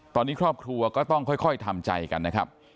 ตอนนี้ครอบครัวก็ต้องค่อยทำใจกันนะครับ